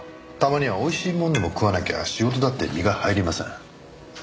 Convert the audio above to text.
たまにはおいしいものでも食わなきゃ仕事だって身が入りません。